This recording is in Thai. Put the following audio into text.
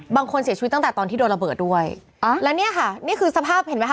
บางคนเสียชีวิตตั้งแต่ตอนที่โดนระเบิดด้วยอ่าแล้วเนี่ยค่ะนี่คือสภาพเห็นไหมค